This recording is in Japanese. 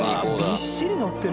びっしり乗ってる。